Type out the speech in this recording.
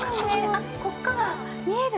◆あ、ここから見える？